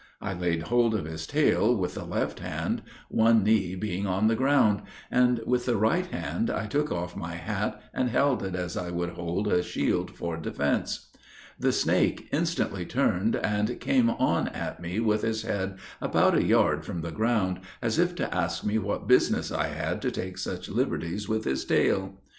I laid hold of his tail with the left hand, one knee being on the ground; and, with the right hand, I took off my hat, and held it as I would hold a shield for defence. The snake instantly turned, and came on at me with his head about a yard from the ground, as if to ask me what business I had to take such liberties with his tail.